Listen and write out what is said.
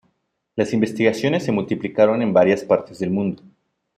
Las investigaciones se multiplicaron en varias partes del mundo.